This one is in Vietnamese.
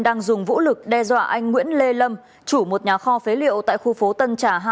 đang dùng vũ lực đe dọa anh nguyễn lê lâm chủ một nhà kho phế liệu tại khu phố tân trả hai